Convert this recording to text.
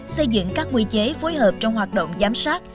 xây dựng các quy chế phối hợp trong hoạt động giám sát